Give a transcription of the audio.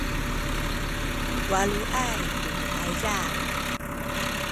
waluay tu ayza